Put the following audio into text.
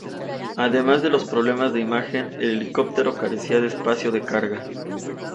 Además de los problemas de imagen, el helicóptero carecía de espacio de carga.